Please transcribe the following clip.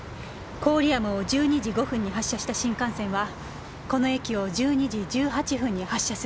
郡山を１２時５分に発車した新幹線はこの駅を１２時１８分に発車するの。